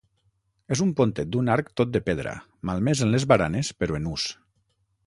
És un pontet d'un arc tot de pedra, malmès en les baranes però en ús.